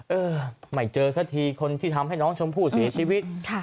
เออไม่เจอสักทีคนที่ทำให้น้องชมพู่เสียชีวิต